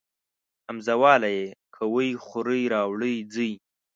همزه واله ئ کوئ خورئ راوړئ ځئ